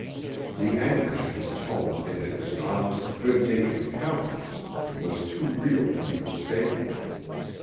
The anguish in his tone and in his honest, good natured countenance was too real to be mistaken.